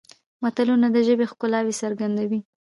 متلونه د ژبې ښکلاوې څرګندوي